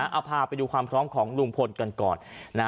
เอาพาไปดูความพร้อมของลุงพลกันก่อน